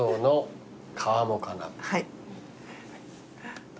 はい。